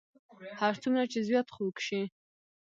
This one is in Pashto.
هر څومره چې زیات خوږ شي.